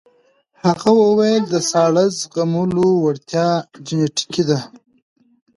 هغې وویل د ساړه زغملو وړتیا جینیټیکي ده.